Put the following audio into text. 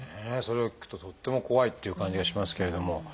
それを聞くととっても怖いっていう感じがしますけれども。